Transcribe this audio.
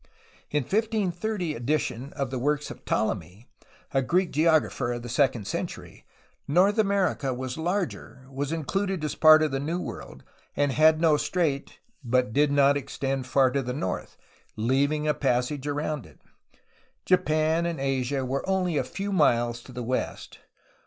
In a 1530 edition of the works of Ptolemy, a Greek geographer of the second century, North America was larger, was included as part of the New World, and had no strait, but did not extend far to the north, leaving a passage around it; Japan and Asia were only a few miles to the west.